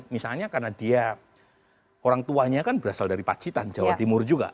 misalnya karena dia orang tuanya kan berasal dari pacitan jawa timur juga